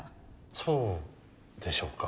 そうでしょうか？